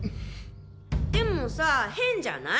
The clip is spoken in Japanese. でもさ変じゃない？